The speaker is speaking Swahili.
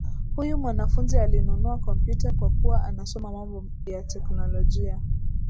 Huyu mwanafunzi alinunua kompyuta kwa kuwa anasoma mambo ya teknolojia.